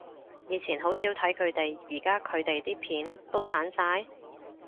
以前好少睇佢哋，而家佢哋啲片都剷晒？